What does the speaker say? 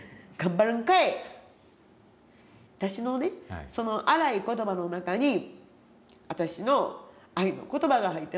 私のねその荒い言葉の中に私の愛の言葉が入ってますねん。